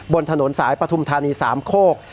บนถนนสายปฐุมธานีสามโคก